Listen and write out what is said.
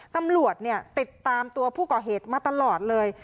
ตำรวจเนี่ยติดตามตัวผู้ก่อเหตุมาตลอดเลย